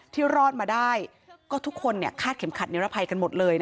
รอดมาได้ก็ทุกคนคาดเข็มขัดนิรภัยกันหมดเลย